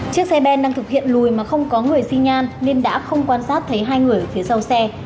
chiếc xe ben đang thực hiện lùi mà không có người xi nhan nên đã không quan sát thấy hai người ở phía sau xe